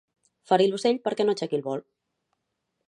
Ferir l'ocell perquè no aixequi el vol.